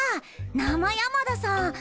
生山田さん。